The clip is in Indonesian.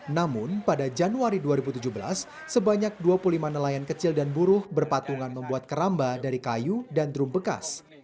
namun pada januari dua ribu tujuh belas sebanyak dua puluh lima nelayan kecil dan buruh berpatungan membuat keramba dari kayu dan drum bekas